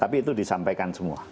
dan kemudian itu disampaikan semua